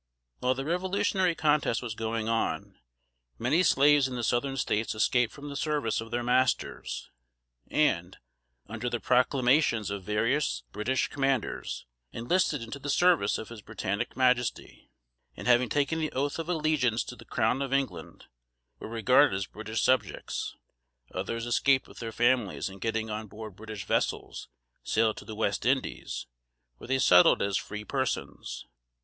While the revolutionary contest was going on, many slaves in the Southern States escaped from the service of their masters, and, under the proclamations of various British commanders, enlisted into the service of his Britannic Majesty; and having taken the oath of allegiance to the crown of England, were regarded as British subjects. Others escaped with their families, and getting on board British vessels, sailed to the West Indies, where they settled as "free persons."